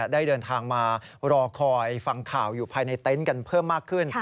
ได้เดินทางมารอคอยฟังข่าวอยู่ภายในเต็นต์กันเพิ่มมากขึ้น